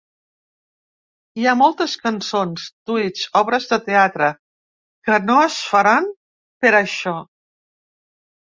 Hi ha moltes cançons, tuits, obres de teatre… que no es faran per això.